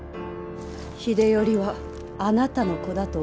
秀頼はあなたの子だとお思い？